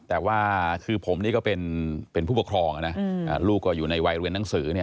แต่ว่าคือผมนี่ก็เป็นผู้ปกครองนะลูกก็อยู่ในวัยเรียนหนังสือเนี่ย